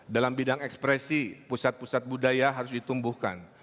dalam bidang ekspresi pusat pusat budaya harus ditumbuhkan